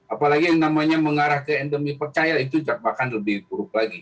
apalagi yang namanya mengarah ke endemi pecah ya itu cakupan lebih buruk lagi